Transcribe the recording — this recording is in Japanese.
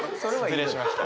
失礼しました。